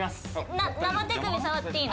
生手首触っていいの？